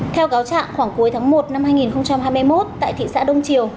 theo cáo trạng khoảng cuối tháng một năm hai nghìn hai mươi một tại thị xã đông triều